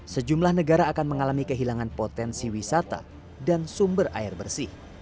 sejumlah negara akan mengalami kehilangan potensi wisata dan sumber air bersih